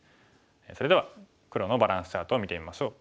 それでは黒のバランスチャートを見てみましょう。